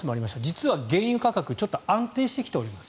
実は原油価格ちょっと安定してきています。